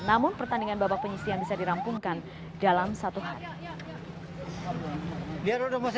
namun pertandingan babak penyisian bisa dirampungkan dalam satu hari